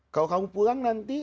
kalau kamu pulang nanti